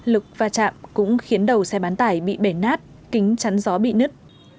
lực va chạm cũng khiến đầu xe bán tải bị bể nát kính chắn gió bị nứt